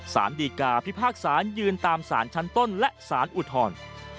สารดีกาพิพากษายืนตามสารชั้นต้นและสารอุทธร